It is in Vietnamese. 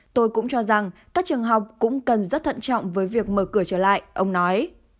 tôi cũng cho rằng các trường học cũng cần rất thận trọng với việc mở cửa trở lại ông nói